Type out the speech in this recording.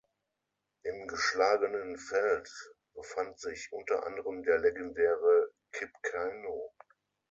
Im geschlagenen Feld befand sich unter anderem der legendäre Kip Keino.